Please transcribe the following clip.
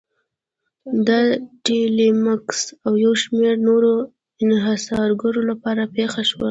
دا د ټیلمکس او یو شمېر نورو انحصارګرو لپاره پېښه شوه.